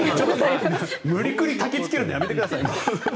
無理くりたきつけるのやめてください。